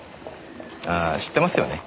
ああ知ってますよね。